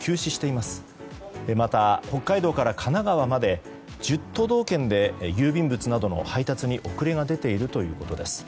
また、北海道から神奈川まで１０都道県で郵便物などの配達に遅れが出ているということです。